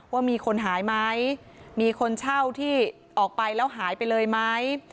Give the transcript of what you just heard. ว่ามีคนหายไหมมีคนเช่าที่ออกไปแล้วหายไปเลยไหม